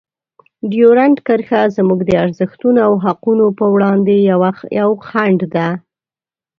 ډیورنډ کرښه زموږ د ارزښتونو او حقونو په وړاندې یوه خنډ ده.